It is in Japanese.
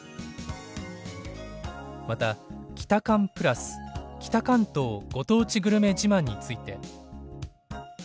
またキタカン＋「北関東ご当地グルメ自慢！」について。